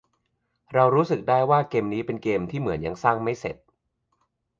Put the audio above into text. เราจะรู้สึกได้ว่าเกมนี้เป็นเกมที่เหมือนยังสร้างไม่เสร็จ